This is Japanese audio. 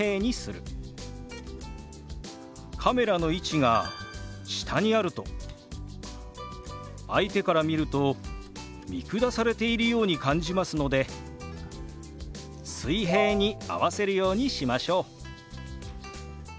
カメラの位置が下にあると相手から見ると見下されているように感じますので水平に合わせるようにしましょう。